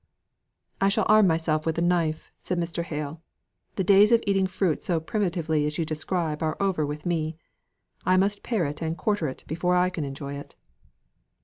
"I shall arm myself with a knife," said Mr. Hale: "the days of eating fruit so primitively as you describe are over with me. I must pare it and quarter it before I can enjoy it."